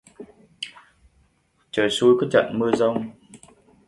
Trời xui có trận mưa giông